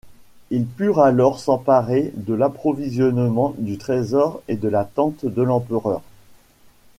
Ils purent alors s’emparer de l’approvisionnement, du trésor et de la tente de l’empereur.